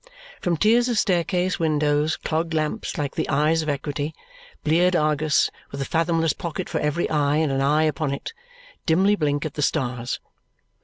From tiers of staircase windows clogged lamps like the eyes of Equity, bleared Argus with a fathomless pocket for every eye and an eye upon it, dimly blink at the stars.